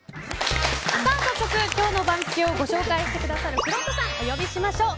早速今日の番付をご紹介してくださるくろうとさん、お呼びしましょう。